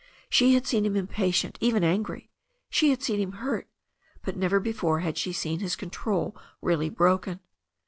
She had seen him impatient, even angry. She had seen him hurt. But never before had she seen his con trol really broken.